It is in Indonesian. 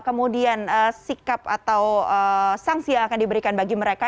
kemudian sikap atau sanksi yang akan diberikan bagi mereka